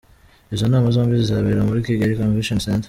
Izo nama zombi zizabera muri Kigali Convention Center.